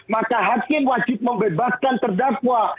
maka hakim wajib membebaskan terdakwa